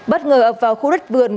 bắt ngờ ập vào khu đất vườn